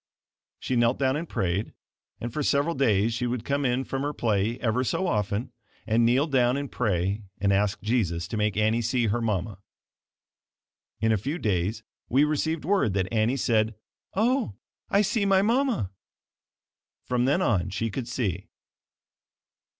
She knelt down and prayed, and for several days she would come in from her play ever so often and kneel down and pray and ask Jesus to make Annie see her mama. In a few days we received word that Annie said "Oh, I see my mama!" From then on she could see.